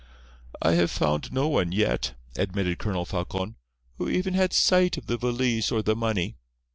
"I have found no one yet," admitted Colonel Falcon, "who even had sight of the valise or the money.